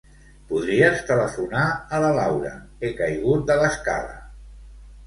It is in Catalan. Podries telefonar a la Laura; he caigut de l'escala.